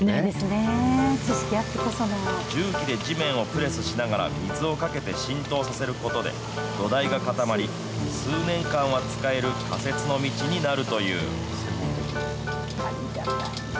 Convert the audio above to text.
重機で地面をプレスしながら、水をかけて浸透させることで、土台が固まり、数年間は使える仮設の道になるという。